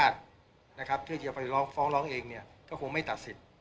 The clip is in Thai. โดยฝองร้องเองก็คงไม่ตัดสิ้น